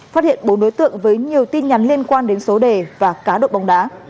phát hiện bốn đối tượng với nhiều tin nhắn liên quan đến số đề và cá độ bóng đá